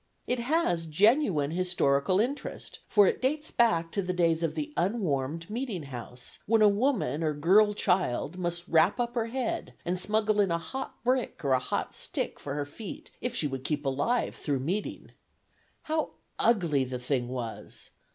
It has genuine historical interest, for it dates back to the days of the unwarmed meeting house, when a woman or a girl child must wrap up her head, and smuggle in a hot brick or a hot stick for her feet, if she would keep alive through meeting. How ugly the thing was!